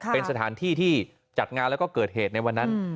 เป็นสถานที่ที่จัดงานแล้วก็เกิดเหตุในวันนั้น